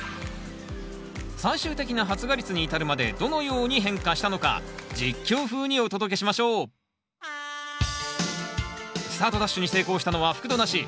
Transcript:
最終的な発芽率に至るまでどのように変化したのか実況風にお届けしましょうスタートダッシュに成功したのは覆土なし。